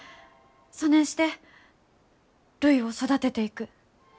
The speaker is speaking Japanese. そねんしてるいを育てていく。